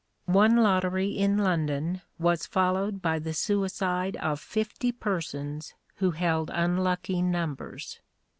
One lottery in London was followed by the suicide of fifty persons who held unlucky numbers.